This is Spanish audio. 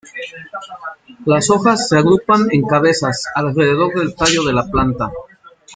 Las hojas se agrupan en cabezas alrededor del tallo de la planta.